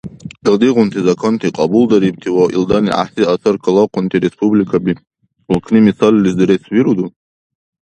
Илдигъунти законти кьабулдарибти ва илдани гӀяхӀси асар калахъунти республикаби, улкни мисаллис дурес вируду?